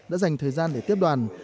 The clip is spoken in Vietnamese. đã dành thời gian để tiếp đoàn